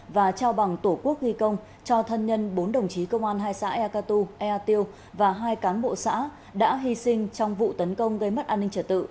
và trao bằng tổ quốc ghi công cho thân nhân bốn đồng chí công an hai xã eaku ea tiêu và hai cán bộ xã đã hy sinh trong vụ tấn công gây mất an ninh trật tự